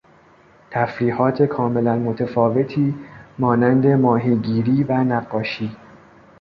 تفریحات کاملا متفاوتی مانند ماهیگیری و نقاشی